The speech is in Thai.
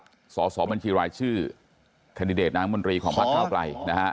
และมาสอบบัญชีรายชื่อคันดิเดตน้ำมนตรีของภาคเกาะไกลนะฮะ